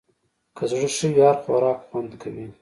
که زړه ښه وي، هر خوراک خوند کوي.